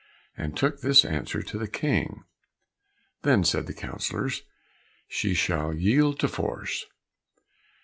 and took this answer to the King. "Then," said the councillors, "she shall yield to force."